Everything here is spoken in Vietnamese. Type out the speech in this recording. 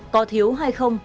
có thiếu hay không